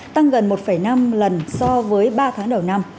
tăng gần một năm lần so với ba tháng đầu năm